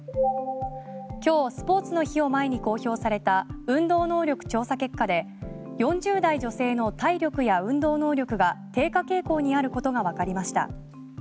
今日、スポーツの日を前に公表された運動能力調査結果で４０代女性の体力や運動能力が低下傾向にあることがわかりました。